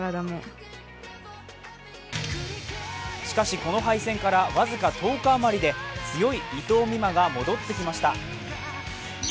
しかし、この敗戦から僅か１０日あまりで強い伊藤美誠が戻ってきました。